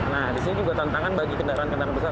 nah di sini juga tantangan bagi kendaraan kendaraan besar